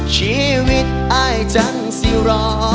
ชีวิตอายจังสิรอ